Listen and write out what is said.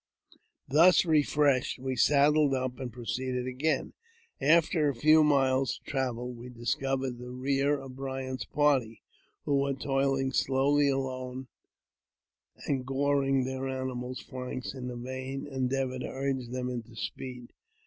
Thus refreshed, we saddled up and proceeded again. After a few miles travel we discovered the rear of Bryant's party, who were toiling slowly along, and goring their animals' flanks in the vain endeavour to urge them into speed.